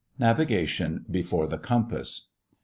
NAVIGATION BEFORE THE COMPASS.